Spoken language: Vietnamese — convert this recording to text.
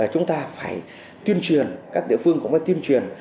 chúng ta phải tuyên truyền các địa phương cũng phải tuyên truyền